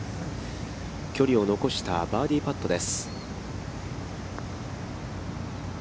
距離を残したバーディーパットです。